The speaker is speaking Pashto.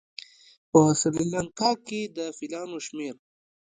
په سریلانکا کې د فیلانو شمېر